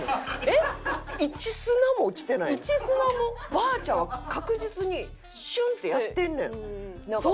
ばあちゃんは確実にシュンッてやってんねん。